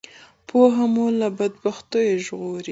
پوهنه مو له بدبختیو ژغوری